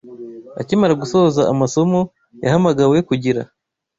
Akimara gusoza amasomo, yahamagawe kugira